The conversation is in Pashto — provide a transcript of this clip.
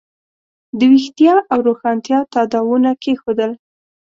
د ویښتیا او روښانتیا تاداوونه کېښودل.